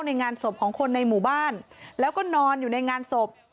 ในงานศพของคนในหมู่บ้านแล้วก็นอนอยู่ในงานศพ